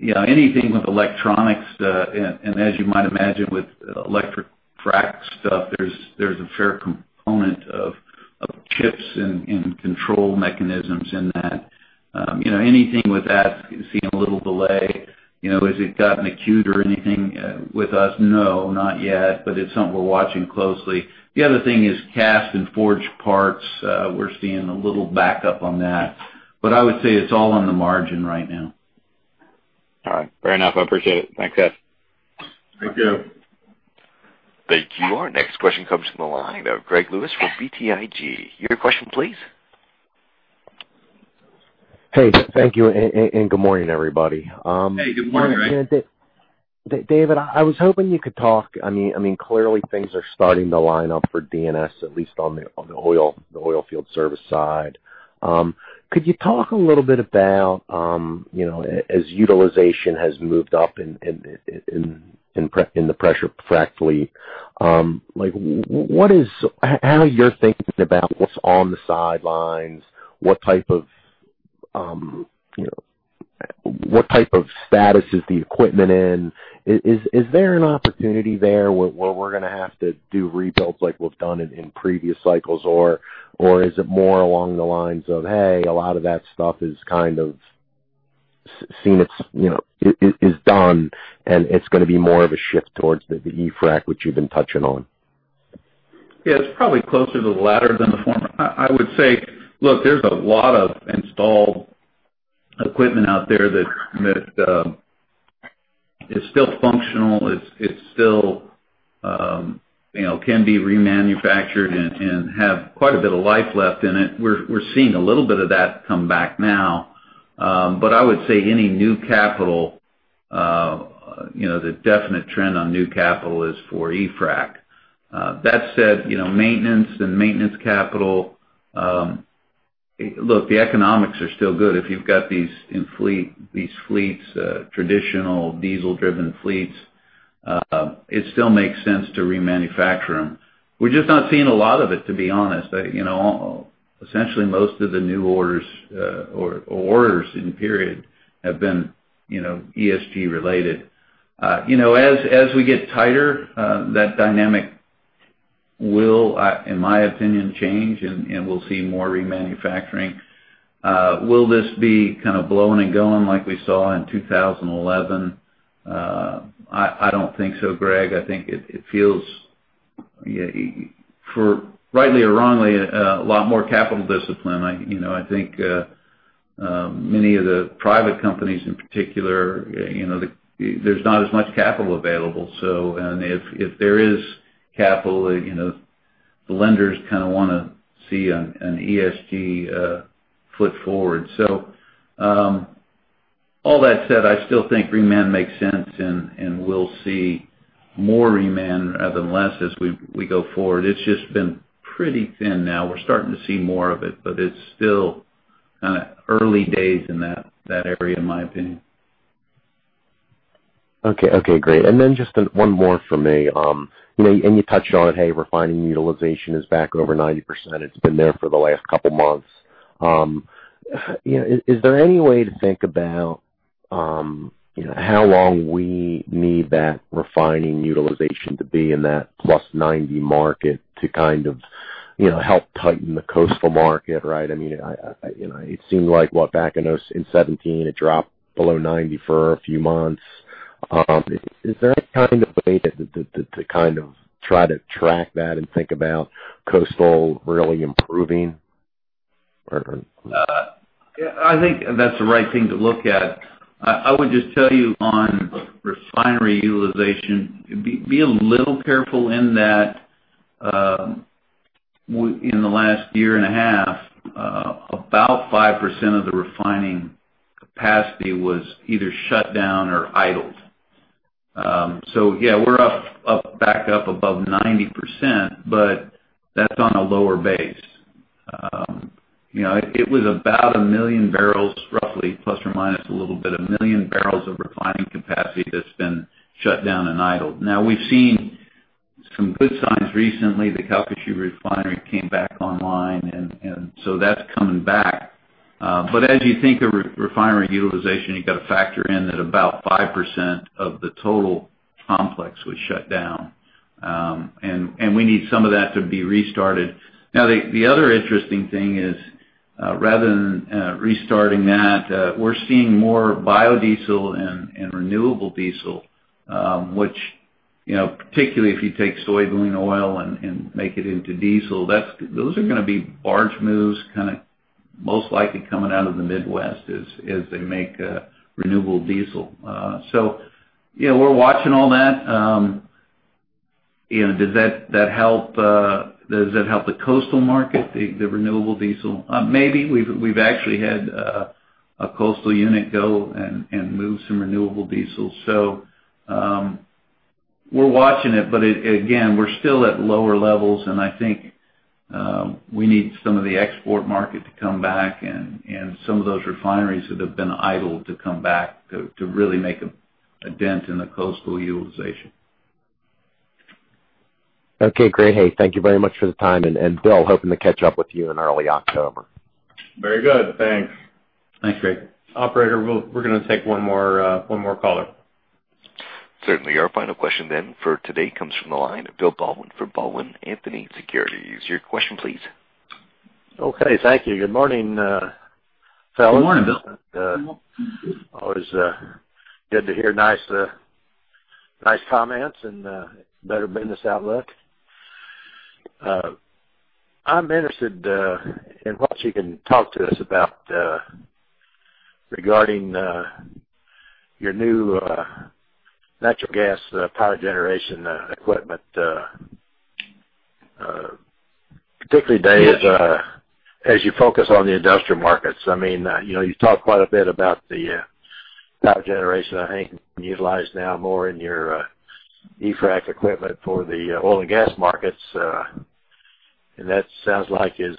Anything with electronics, and as you might imagine with electric frac stuff, there is a fair component of chips and control mechanisms in that. Anything with that, seeing a little delay. Has it gotten acute or anything with us? No, not yet, but it is something we are watching closely. The other thing is cast and forged parts. We are seeing a little backup on that, but I would say it is all on the margin right now. All right. Fair enough, I appreciate it. Thanks, Dave. Thank you. Thank you. Our next question comes from the line of Greg Lewis from BTIG. Your question, please. Hey, thank you. Good morning, everybody. Hey, good morning, Greg. David, I was hoping you could talk, I mean, clearly things are starting to line up for D&S, at least on the oil field service side. Could you talk a little bit about, as utilization has moved up, and the pressure pumping, how you're thinking about what's on the sidelines? What type of status is the equipment in? Is there an opportunity there where we're going to have to do rebuilds like we've done in previous cycles, or is it more along the lines of, hey, a lot of that stuff is kind of seen, it's done and it's going to be more of a shift towards the e-frac, which you've been touching on? Yeah. It is probably closer to the latter than the former. I would say, look, there is a lot of installed equipment out there that is still functional. It still can be remanufactured and have quite a bit of life left in it. We are seeing a little bit of that come back now. I would say any new capital, the definite trend on new capital is for e-frac. That said, maintenance and maintenance capital, look, the economics are still good. If you have got these fleets, traditional diesel-driven fleets, it still makes sense to remanufacture them. We are just not seeing a lot of it, to be honest. Essentially, most of the new orders or orders in period have been ESG related. As we get tighter, that dynamic will, in my opinion, change, and we will see more remanufacturing. Will this be kind of blowing and going like we saw in 2011? I don't think so, Greg. I think it feels, rightly or wrongly, a lot more capital discipline. I think many of the private companies in particular, there's not as much capital available. If there is capital, the lenders kind of want to see an ESG foot forward. All that said, I still think reman makes sense, and we'll see more reman rather than less as we go forward. It's just been pretty thin now. We're starting to see more of it, but it's still kind of early days in that area, in my opinion. Okay, great. Just one more from me. You touched on it, hey, refining utilization is back over 90%. It's been there for the last couple of months. Is there any way to think about how long we need that refining utilization to be in that +90% mark to help tighten the coastal market, right? It seemed like, what, back in 2017, it dropped below 90% for a few months. Is there any kind of way to try to track that and think about coastal really improving? I think that's the right thing to look at. I would just tell you on refinery utilization, be a little careful in that. In the last year and a half, about 5% of the refining capacity was either shut down or idled. Yeah, we're back up above 90%, but that's on a lower base. It was about 1 million bbl, roughly, plus or minus a little bit, 1 million bbl of refining capacity that's been shut down and idled. We've seen some good signs recently. The Calcasieu Refinery came back online, that's coming back. As you think of refinery utilization, you've got to factor in that about 5% of the total complex was shut down. We need some of that to be restarted. The other interesting thing is rather than restarting that, we're seeing more biodiesel and renewable diesel which, particularly if you take soybean oil and make it into diesel, those are going to be barge moves most likely coming out of the Midwest as they make renewable diesel. We're watching all that. Does that help the coastal market, the renewable diesel? Maybe. We've actually had a coastal unit go and move some renewable diesel. We're watching it, but again, we're still at lower levels, and I think we need some of the export market to come back and some of those refineries that have been idled to come back to really make a dent in the coastal utilization. Okay, great. Hey, thank you very much for the time. Bill, hoping to catch up with you in early October. Very good. Thanks. Thanks, Greg. Operator, we're going to take one more caller. Certainly. Our final question then for today comes from the line of Bill Baldwin for Baldwin Anthony Securities. Your question, please. Okay. Thank you. Good morning, fellows. Good morning, Bill. Always good to hear nice comments and better business outlook. I'm interested in what you can talk to us about regarding your new natural gas power generation equipment, particularly today as you focus on the industrial markets. You talked quite a bit about the power generation, I think, utilized now more in your e-frac equipment for the oil and gas markets. That sounds like there's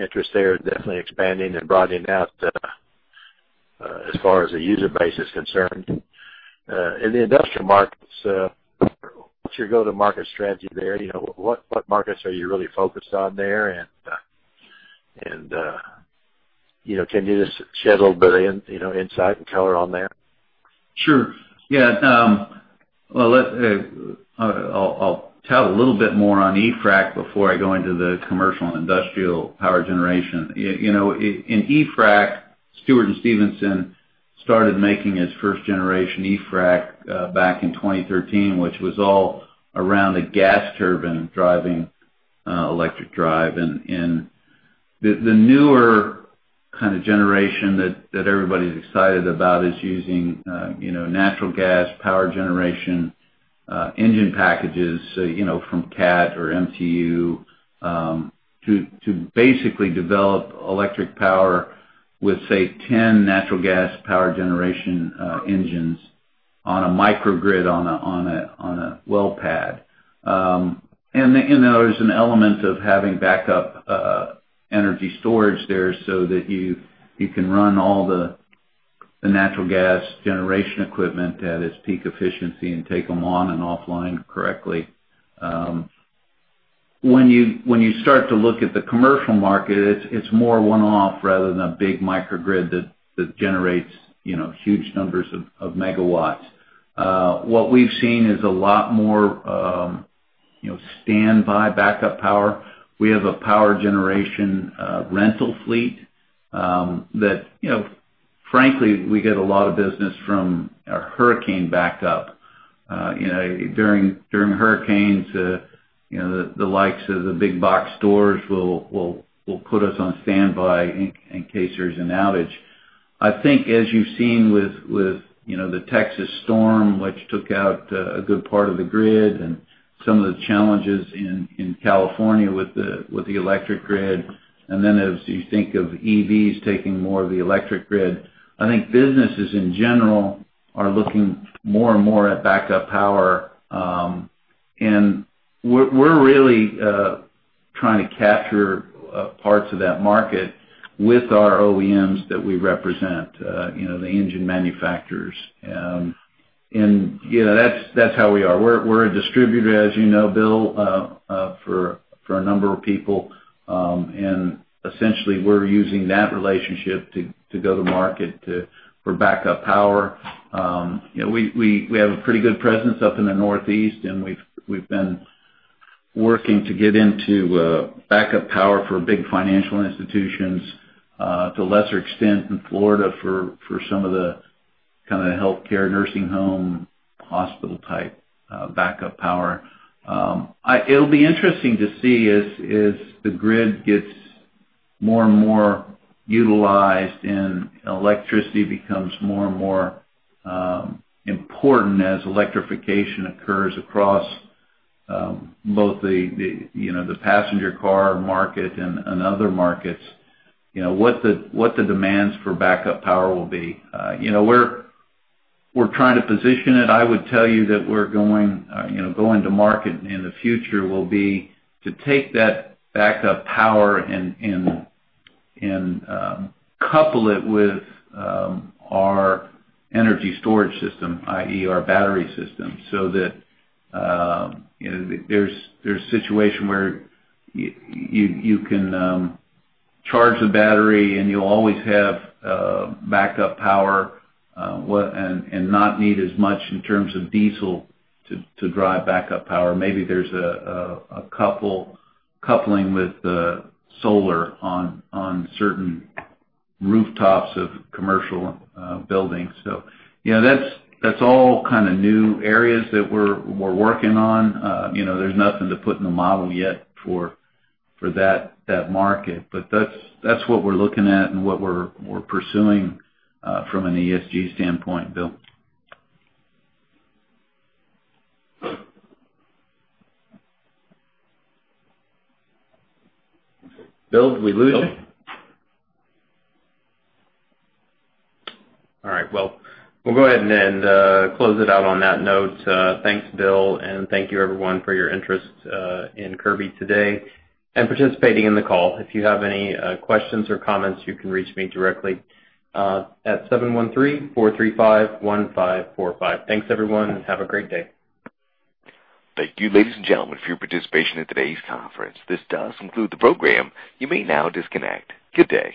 interest there, definitely expanding and broadening out as far as the user base is concerned. In the industrial markets, what's your go-to-market strategy there? What markets are you really focused on there? Can you just shed a little bit of insight and color on that? Sure. Yeah. I'll tell a little bit more on e-frac before I go into the commercial and industrial power generation. In e-frac, Stewart & Stevenson started making his first-generation e-frac back in 2013, which was all around a gas turbine driving electric drive. The newer kind of generation that everybody's excited about is using natural gas power generation engine packages from CAT or MTU to basically develop electric power with, say, 10 natural gas power generation engines on a microgrid on a well pad. There's an element of having backup energy storage there so that you can run all the natural gas generation equipment at its peak efficiency and take them on and offline correctly. When you start to look at the commercial market, it's more one-off rather than a big microgrid that generates huge numbers of megawatts. What we've seen is a lot more standby backup power. We have a power generation rental fleet that, frankly, we get a lot of business from our hurricane backup. During hurricanes, the likes of the big box stores will put us on standby in case there's an outage. I think as you've seen with the Texas storm, which took out a good part of the grid and some of the challenges in California with the electric grid, and then as you think of EVs taking more of the electric grid, I think businesses in general are looking more and more at backup power. We're really trying to capture parts of that market with our OEMs that we represent, the engine manufacturers. That's how we are. We're a distributor, as you know, Bill, for a number of people, and essentially, we're using that relationship to go to market for backup power. We have a pretty good presence up in the Northeast, and we've been working to get into backup power for big financial institutions, to a lesser extent in Florida for some of the kind of healthcare, nursing home, hospital-type backup power. It'll be interesting to see as the grid gets more and more utilized and electricity becomes more and more important as electrification occurs across both the passenger car market and other markets, what the demands for backup power will be. We're trying to position it. I would tell you that we're going to market in the future will be to take that backup power and couple it with our energy storage system, i.e., our battery system, so that there's a situation where you can charge the battery, and you'll always have backup power, and not need as much in terms of diesel to drive backup power. Maybe there's a coupling with the solar on certain rooftops of commercial buildings. That's all kind of new areas that we're working on. There's nothing to put in the model yet for that market. That's what we're looking at and what we're pursuing from an ESG standpoint, Bill. Bill, did we lose you? All right. Well, we'll go ahead and close it out on that note. Thanks, Bill, and thank you everyone for your interest in Kirby today and participating in the call. If you have any questions or comments, you can reach me directly at 713-435-1545. Thanks, everyone, and have a great day. Thank you, ladies and gentlemen, for your participation in today's conference. This does conclude the program. You may now disconnect. Good day.